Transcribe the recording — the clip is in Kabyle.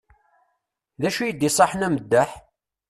D acu i d-iṣaḥen ameddaḥ?